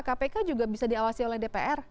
kpk juga bisa diawasi oleh dpr